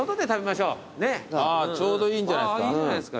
あぁちょうどいいんじゃないですか。